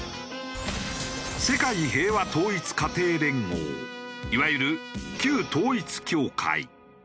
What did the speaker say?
世界平和統一家庭連合いわゆる旧統一教会。